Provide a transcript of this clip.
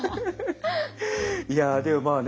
いやでもまあね